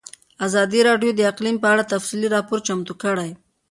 ازادي راډیو د اقلیم په اړه تفصیلي راپور چمتو کړی.